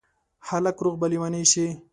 هلکه روغ به لېونی شې